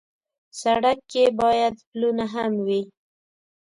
سړک کې باید پلونه هم وي.